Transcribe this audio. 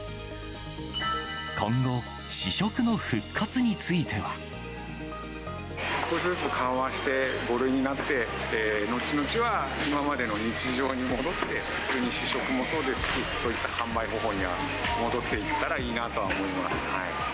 今後、試食の復活については。少しずつ緩和して５類になって、後々は、今までの日常に戻って、普通に試食もそうですし、こういった販売方法に戻っていけたらいいなと思います。